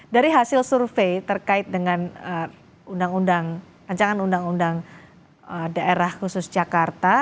dari hasil survei terkait dengan undang undang daerah khusus jakarta